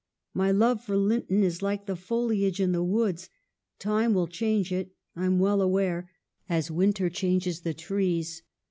My love for Linton is like the foliage in the woods : time will change it, I'm well aware, as winter changes the trees.